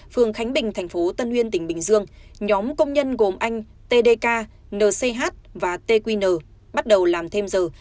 phường khánh bình tp tân nguyên tỉnh bình dương nhóm công nhân gồm anh tdk nch và tqn bắt đầu làm thêm giờ